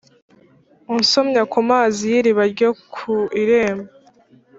Unsomya ku mazi y iriba ryo ku irembo